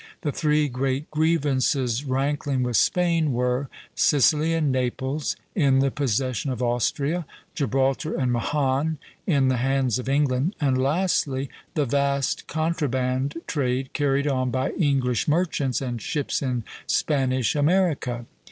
The three great grievances rankling with Spain were Sicily and Naples in the possession of Austria, Gibraltar and Mahon in the hands of England, and lastly, the vast contraband trade carried on by English merchants and ships in Spanish America.